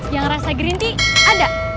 yang rasa gerinti ada